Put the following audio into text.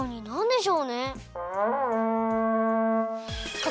なんでしょうね？